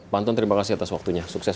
pantun terima kasih atas waktunya sukses